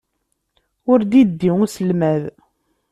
Ur d-iddi uselmad.